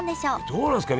どうなんですか？